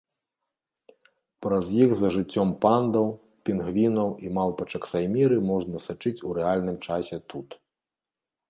Праз іх за жыццём пандаў, пінгвінаў і малпачак-сайміры можна сачыць у рэальным часе тут.